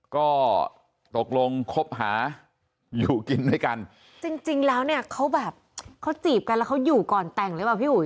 ก็ตกลงคบหาอยู่กินด้วยกันจริงแล้วเขาแบบเขาจีบกันแล้วเขาอยู่ก่อนแต่งเลยเหรอบ้าพี่อุ๋ย